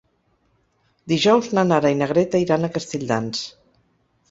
Dijous na Nara i na Greta iran a Castelldans.